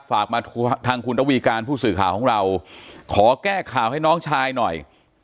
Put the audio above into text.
ฝากมาทางคุณระวีการผู้สื่อข่าวของเราขอแก้ข่าวให้น้องชายหน่อย